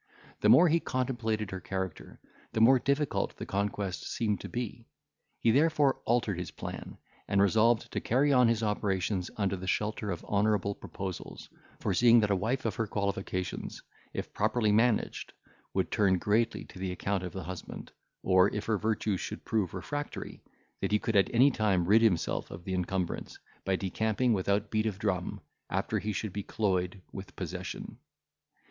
The more he contemplated her character, the more difficult the conquest seemed to be: he therefore altered his plan, and resolved to carry on his operations under the shelter of honourable proposals, foreseeing that a wife of her qualifications, if properly managed, would turn greatly to the account of the husband, or, if her virtue should prove refractory, that he could at any time rid himself of the encumbrance, by decamping without beat of drum, after he should be cloyed with possession.